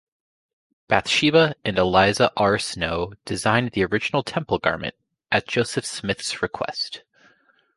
Bathsheba and Eliza R. Snow designed the original temple garment, at Joseph Smith's request.